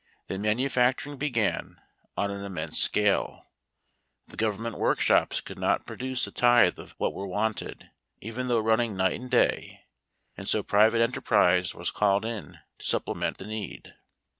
Then manufacturing began on an immense scale. The government workshops could not pro duce a tithe of what were wanted, even though running night and day; and so private enterprise was called in to supplement the need.